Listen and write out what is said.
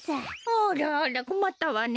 あらあらこまったわね。